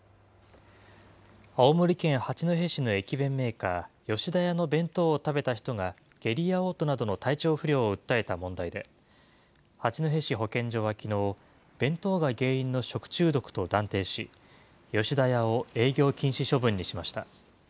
青森県八戸市の駅弁メーカー、吉田屋の弁当を食べた人が、下痢やおう吐などの体調不良を訴えた問題で、八戸市保健所はきのう、弁当が原因の食中毒と断定し、吉田屋を営業禁止処分にしました。